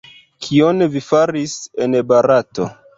Kion vi faris en Barato?